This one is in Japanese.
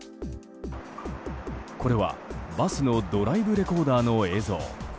これはバスのドライブレコーダーの映像。